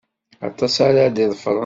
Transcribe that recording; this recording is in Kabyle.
Aṭas ara d-iḍefṛen.